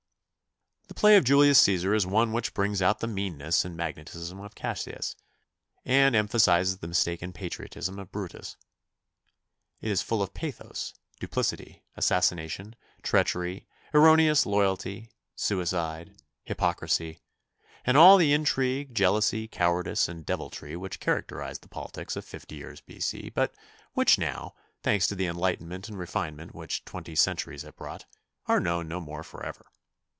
The play of "Julius Cæsar" is one which brings out the meanness and magnetism of Cassius, and emphasizes the mistaken patriotism of Brutus. It is full of pathos, duplicity, assassination, treachery, erroneous loyalty, suicide, hypocrisy, and all the intrigue, jealousy, cowardice and deviltry which characterized the politics of fifty years B. C., but which now, thanks to the enlightenment and refinement which twenty centuries have brought, are known no more forever.